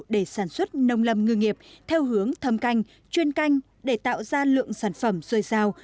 để sản xuất nông lầm ngư nghiệp theo hướng thâm canh chuyên canh để tạo ra lượng sản phẩm rơi sao